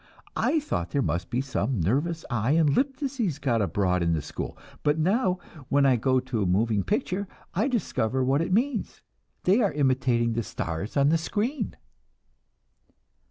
I thought there must be some nervous eye and lip disease got abroad in the school. But now, when I go to a moving picture, I discover what it means. They are imitating the 'stars' on the screen!"